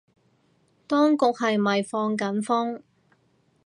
當局係咪放緊風